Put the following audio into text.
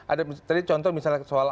ada contoh misalnya soal